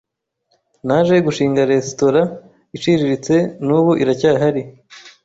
Naje gushinga resitora iciriritse n’ubu iracyahari